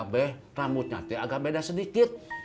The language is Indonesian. aku babay rambutnya agak beda sedikit